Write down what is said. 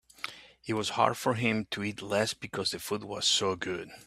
It was hard for him to eat less because the food was so good.